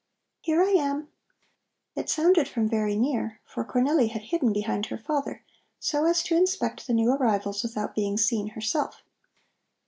"Here I am!" It sounded from very near, for Cornelli had hidden behind her father, so as to inspect the new arrivals without being seen herself.